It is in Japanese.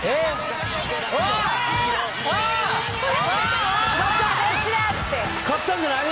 この勝ったんじゃない？